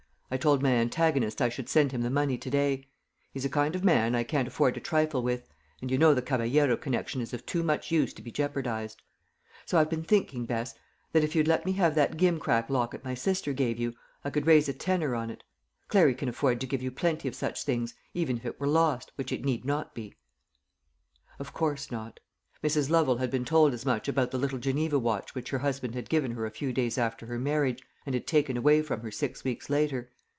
I told my antagonist I should send him the money to day. He's a kind of man I can't afford to trifle with; and you know the Caballero connection is of too much use to be jeopardised. So I've been thinking, Bess, that if you'd let me have that gimcrack locket my sister gave you, I could raise a tenner on it. Clary can afford to give you plenty of such things, even if it were lost, which it need not be." Of course not. Mrs. Lovel had been told as much about the little Geneva watch which her husband had given her a few days after her marriage, and had taken away from her six weeks later.